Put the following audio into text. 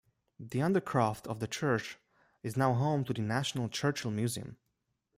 The undercroft of the Church is now home to the National Churchill Museum.